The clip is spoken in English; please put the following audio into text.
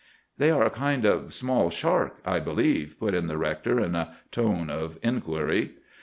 "'They are a kind of small shark, I believe?' put in the rector in a tone of inquiry.